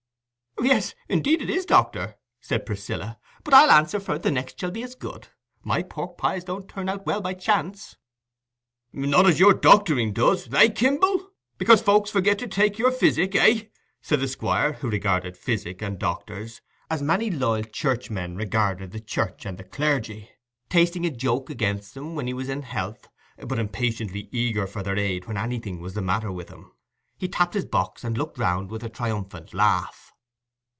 "Yes, indeed, it is, doctor," said Priscilla; "but I'll answer for it the next shall be as good. My pork pies don't turn out well by chance." "Not as your doctoring does, eh, Kimble?—because folks forget to take your physic, eh?" said the Squire, who regarded physic and doctors as many loyal churchmen regard the church and the clergy—tasting a joke against them when he was in health, but impatiently eager for their aid when anything was the matter with him. He tapped his box, and looked round with a triumphant laugh.